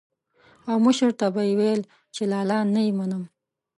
او مشر ته به یې ويل چې لالا نه يې منم.